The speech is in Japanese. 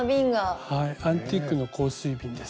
アンティークの香水瓶です。